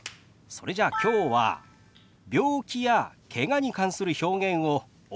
それじゃあきょうは病気やけがに関する表現をお教えしましょう。